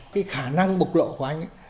cái khả năng bộc lộ của anh